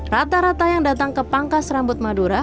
rata rata yang datang ke pangkas rambut madura